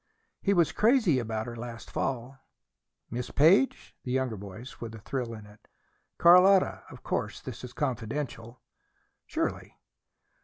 "He was crazy about her last fall." "Miss Page?" (The younger voice, with a thrill in it.) "Carlotta. Of course this is confidential." "Surely."